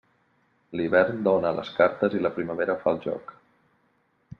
L'hivern dóna les cartes i la primavera fa el joc.